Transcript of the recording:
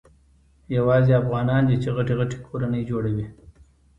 یوازي افغانان دي چي غټي غټي کورنۍ جوړوي.